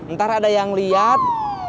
ntar ada yang liat